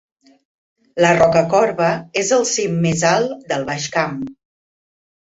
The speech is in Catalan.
La Rocacorba és el cim més alt del Baix Camp.